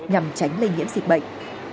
nhằm tránh lây nhiễm dịch bệnh